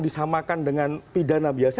disamakan dengan pidana biasa